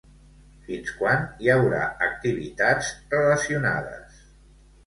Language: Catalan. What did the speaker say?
Fins quan hi haurà activitats relacionades?